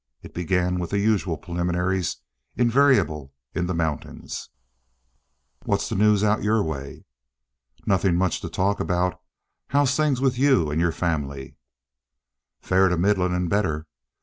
It began with the usual preliminaries, invariable in the mountains. "What's the news out your way?" "Nothing much to talk about. How's things with you and your family?" "Fair to middlin' and better.